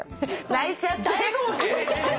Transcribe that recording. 泣いちゃって。